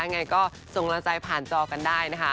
ยังไงก็ส่งกำลังใจผ่านจอกันได้นะคะ